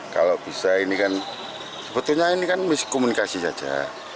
kalau bisa ini kan sebetulnya ini kan miskomunikasi saja